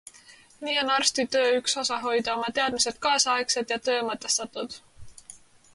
Nii on arsti töö üks osa hoida oma teadmised kaasaegsed ja töö mõtestatud.